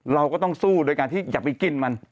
เราก็ต้องสู้โดยการที่อย่าไปกินมัน